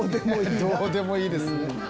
どうでもいいですね。